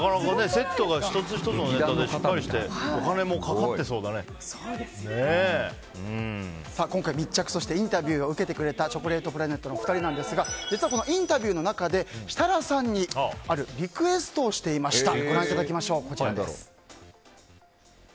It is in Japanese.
セットが１つ１つのネタでしっかりしてこんかい、密着そしてインタビューを受けてくれたチョコレートプラネットの２人なんですが実はインタビューの中で設楽さんにあるリクエストをしていました。